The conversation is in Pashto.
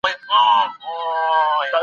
ليکوال بايد د ټولني له عقل سره سم اثار وليکي.